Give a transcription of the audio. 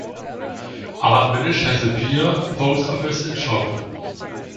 Ardminish has the pier, post office and shop.